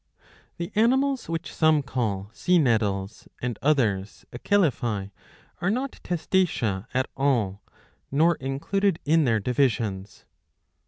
The animals which some call Sea nettles and others Acalephae ^^ are not Testacea at all nor included in their divisions.